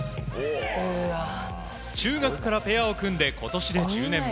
中学からペアを組んで今年で１０年目。